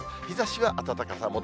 日ざしは暖かさ